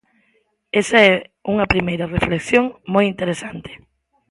Esa é unha primeira reflexión moi interesante.